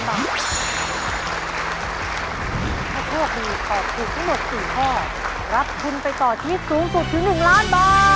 ถ้าโทษดีตอบถูกทั้งหมด๔ข้อรับคุณไปต่อที่สูงสุดถึง๑๐๐๐๐๐๐บาท